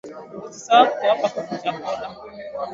Usisahau kuwapa kuku chakula